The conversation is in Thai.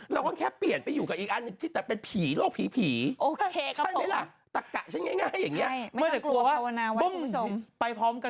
นางคิดแบบว่าไม่ไหวแล้วไปกด